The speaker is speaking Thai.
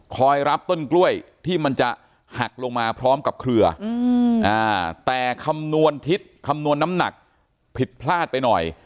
รับต้นกล้วยที่มันจะหักลงมาพร้อมกับเครือแต่คำนวณทิศคำนวณน้ำหนักผิดพลาดไปหน่อย